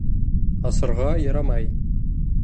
Асырға ярамай.